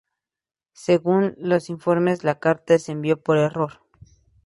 Según los informes, la carta se envió por error.